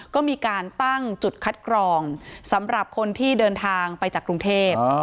ก็มีการตั้งจุดคัดกรองสำหรับคนที่เดินทางไปจากกรุงเทพ